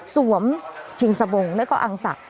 สวมเขียงสะบงแล้วก็อังสัก